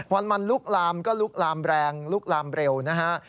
วันมันลุกลามก็ลุกลามแรงลุกลามเร็วนะฮะ